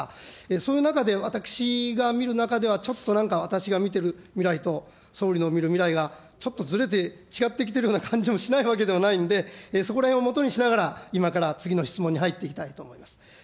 その中で私が見る中では、ちょっとなんか、私が見てる未来と、総理の見る未来がちょっとずれて、違ってきてるような感じもしないわけでもないんで、そこらへんをもとにしながら、今から次の質問に入っていきたいと思います。